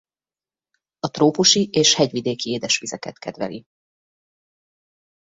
A trópusi és hegyvidéki édesvizeket kedveli.